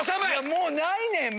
もうないねん！